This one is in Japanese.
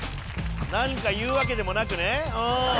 何か言うわけでもなくね。